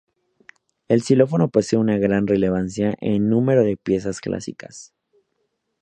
El xilófono posee una gran relevancia en un número de piezas clásicas.